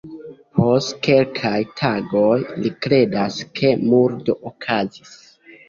Post kelkaj tagoj, li kredas ke murdo okazis.